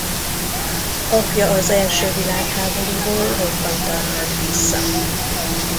Apja az első világháborúból rokkantan jött vissza.